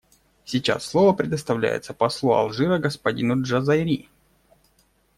Сейчас слово предоставляется послу Алжира господину Джазайри.